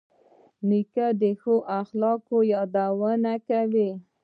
نیکه د ښو خلکو یادونه کوي.